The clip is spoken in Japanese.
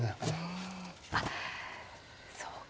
うんあっそうか。